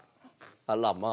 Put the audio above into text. あらまあ。